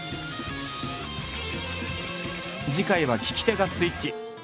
次回は聞き手がスイッチ。